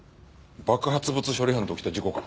爆発物処理班で起きた事故か。